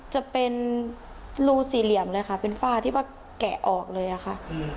จะเป็นรูสี่เหลี่ยมเลยค่ะเป็นฝ้าที่ว่าแกะออกเลยอะค่ะ